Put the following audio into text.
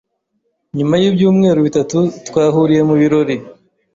Nyuma y’ibyumweru bitatu twahuriye mu birori